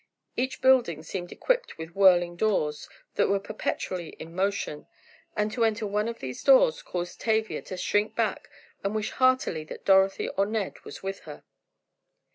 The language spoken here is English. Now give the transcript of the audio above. Each building seemed equipped with whirling doors that were perpetually in motion, and to enter one of these doors caused Tavia to shrink back and wish heartily that Dorothy or Ned was with her.